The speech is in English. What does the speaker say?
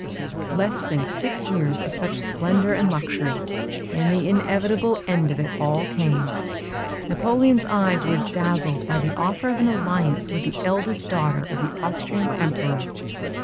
Less than six years of such splendour and luxury, and the inevitable end of it all came. Napoleon's eyes were dazzled by the offer of an alliance with the eldest daughter of the Austrian Emperor.